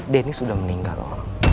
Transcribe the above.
dennis udah meninggal om